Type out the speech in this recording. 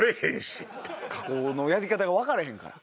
加工のやり方が分からへんから。